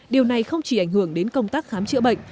điều này không chỉ ảnh hưởng đến công tác khám chữa bệnh